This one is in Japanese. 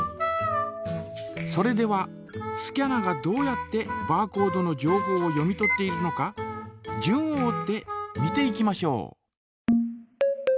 それではスキャナがどうやってバーコードの情報を読み取っているのか順を追って見ていきましょう。